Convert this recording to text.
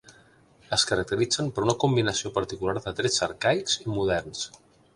Es caracteritzen per una combinació particular de trets arcaics i moderns.